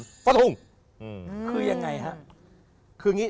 คือยังไงครับ